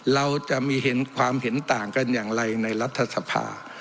เราจะมีเห็นความเห็นต่างกันอย่างไรในรัฐสภา